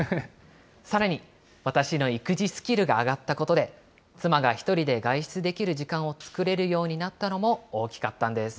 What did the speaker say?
さらに、私の育児スキルが上がったことで、妻が１人で外出できる時間を作れるようになったのも大きかったんです。